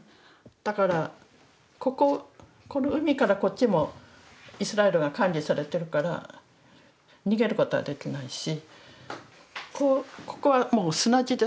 だからこここの海からこっちもイスラエルが管理されてるから逃げることはできないしここはもう砂地です。